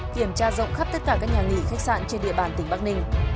kiểm tra rộng khắp tất cả các nhà nghỉ khách sạn trên địa bàn tỉnh bắc ninh